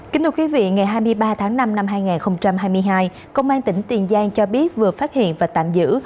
kính thưa quý vị ngày hai mươi ba tháng năm năm hai nghìn hai mươi hai công an tỉnh tiền giang cho biết vừa phát hiện và tạm giữ